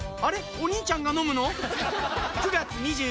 お兄ちゃんが飲むの？